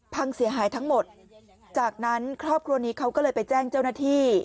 พังเสียหายทั้งหมดจากนั้นครอบครัวนี้เขาก็เลยไปแจ้งเจ้าหน้าที่